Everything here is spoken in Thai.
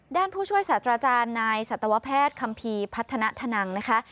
ผู้ช่วยศาสตราจารย์นายสัตวแพทย์คัมภีร์พัฒนาธนังนะคะ